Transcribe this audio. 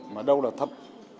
mà đâu là thấp